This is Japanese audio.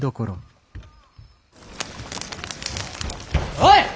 おい！